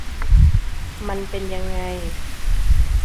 มันเป็นยังไง